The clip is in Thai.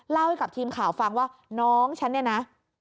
ให้กับทีมข่าวฟังว่าน้องฉันเนี่ยนะ